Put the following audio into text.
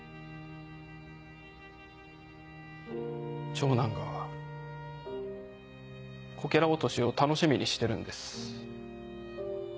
長男がこけら落としを楽しみにしてるんです。